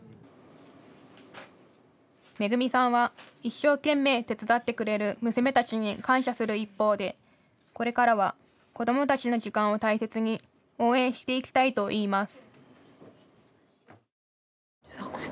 恵さんは一生懸命手伝ってくれる娘たちに感謝する一方でこれからは子どもたちの時間を大切に応援していきたいといいます。